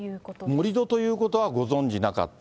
盛り土ということはご存じなかった。